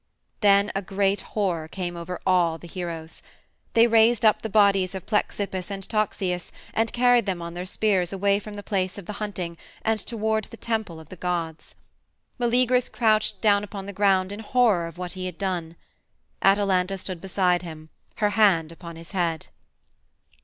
Then a great horror came over all the heroes. They raised up the bodies of Plexippus and Toxeus and carried them on their spears away from the place of the hunting and toward the temple of the gods. Meleagrus crouched down upon the ground in horror of what he had done. Atalanta stood beside him, her hand upon his head.